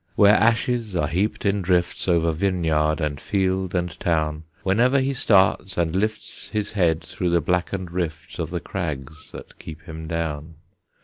Where ashes are heaped in drifts Over vineyard and field and town, Whenever he starts and lifts His head through the blackened rifts Of the crags that keep him down.